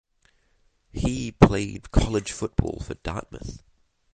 He played college football for Dartmouth.